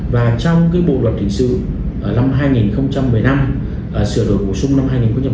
và trong cái bộ luật hình sự năm hai nghìn một mươi năm sửa đổi bổ sung năm hai nghìn một mươi bảy